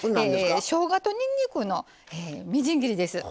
しょうがと、にんにくのみじん切りです。